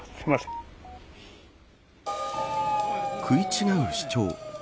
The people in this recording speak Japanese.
食い違う主張。